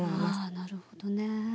なるほどね。